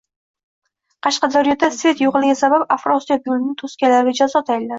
Qashqadaryoda “svet” yo‘qligi sabab “Afrosiyob” yo‘lini to‘sganlarga jazo tayinlandi